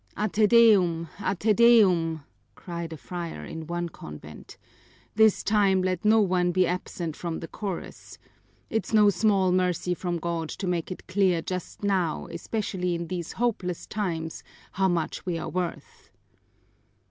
"A Te Deum! A Te Deum!" cried a friar in one convent. "This time let no one be absent from the chorus! It's no small mercy from God to make it clear just now, especially in these hopeless times, how much we are worth!"